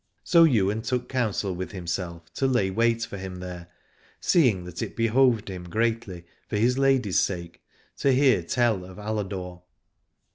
So Ywain took counsel with himself to lay wait for him there, seeing that it behoved him greatly, for his lady's sake, to hear tell of Aladore.